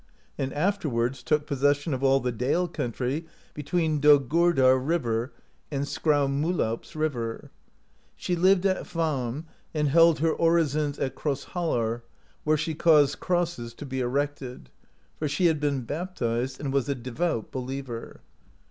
Aud afterwards took possession of all the Dale country (14) between Dogurdar river and Skraumuh laups river. She lived at Hvamm, and held her orisons at Krossholar, where she caused crosses to be erected, for she had been baptized and was a devout believer.